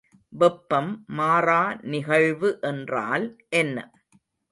வெப்பம் மாறா நிகழ்வு என்றால் என்ன?